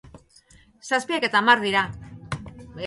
Zazpiak eta hamar dira.